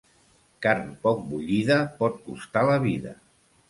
Carn poc bullida pot costar la vida.